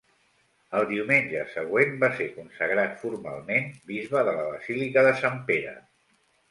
El diumenge següent, va ser consagrat formalment bisbe de la basílica de Sant Pere.